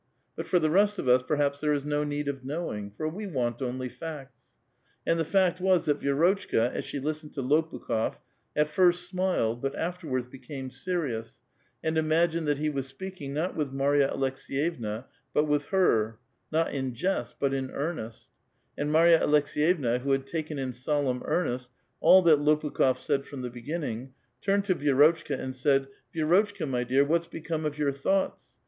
15nt for the rest of us, perhaps thei'e is no need of knowing ; for Ave want only facts. And the fact was that Yierotclika, as she listened to Lopukh6f, at first smiled, but afterwards l)e<»ame serious, and imagined that he was speak ing, not with Marya Aleks^yevna, but with her, not in jest, but in earnest ; and Marya Aleks^yevna, who had taken in solenni earnest all that Lopukh6f said from the beginning, turned to Vii'Totchka, and said: —Vierotchka, my dear, whafs become of your thoughts?